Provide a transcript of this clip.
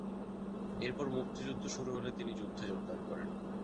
এরপর মুক্তিযুদ্ধ শুরু হলে তিনি যুদ্ধে যোগদান করেন।